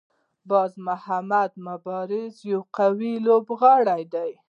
باز محمد مبارز یو قوي لوبغاړی دی.